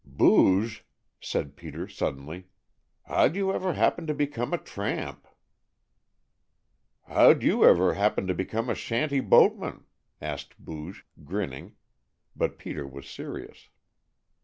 "Booge," said Peter suddenly, "how'd you ever happen to become a tramp?" "How'd you ever happen to become a shanty boatman?" asked Booge, grinning, but Peter was serious.